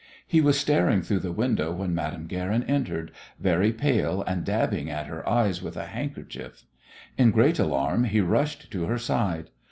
He was staring through the window when Madame Guerin entered, very pale and dabbing at her eyes with a handkerchief. In great alarm he rushed to her side.